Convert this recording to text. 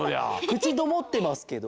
くちごもってますけど。